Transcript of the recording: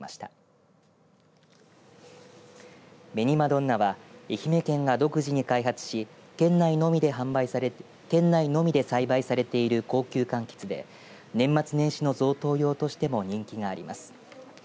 どんなは愛媛県が独自に開発し県内のみで栽培されている高級かんきつで年末年始の贈答用としても人気があります。